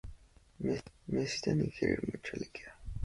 Necesitan ingerir mucho líquido.